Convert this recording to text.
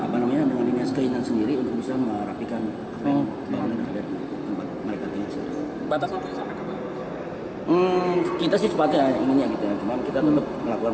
pak nantinya setelah dibuatkan